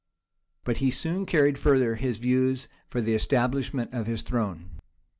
But he soon carried further his views for the establishment of his throne.